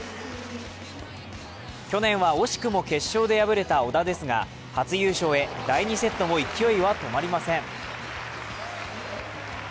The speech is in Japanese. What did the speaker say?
去年は惜しくも決勝で敗れた小田ですが初優勝へ第２セットも勢いは止まりません。